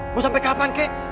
mau sampai kapan kek